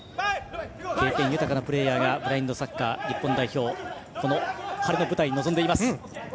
経験豊かなプレーヤーがブラインドサッカー日本代表の晴れの舞台に臨んでいます。